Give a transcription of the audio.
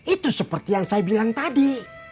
itu seperti yang saya bilang tadi